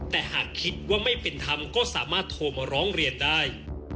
แต่หากคิดว่าไม่เป็นธรรมก็สามารถโทรมาร้องเรียนได้